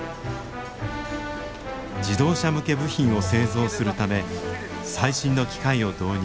自動車向け部品を製造するため最新の機械を導入。